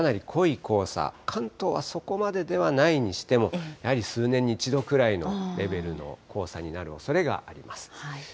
北日本を中心にかなり濃い黄砂、関東はそこまでではないにしても、やはり数年に一度くらいのレベルの黄砂になるおそれがあります。